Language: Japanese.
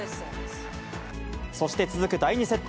そして続く第２セット。